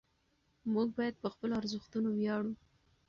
موږ باید په خپلو ارزښتونو ویاړو.